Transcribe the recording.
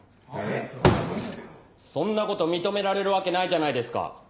・えっ⁉・そんなこと認められるわけないじゃないですか。